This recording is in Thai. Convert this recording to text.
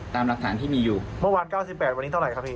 คำถ่านที่มีอยู่เมื่อวาน๙๘วันนี้เท่าไรครับพี่